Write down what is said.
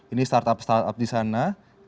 ini startup startup di sana